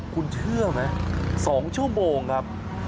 คุณเชื่อไหม๒ชั่วโมงครับ